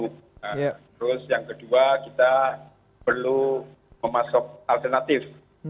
terus yang kedua kita perlu memasuk alternatif